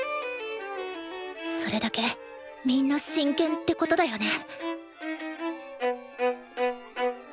それだけみんな真剣ってことだよね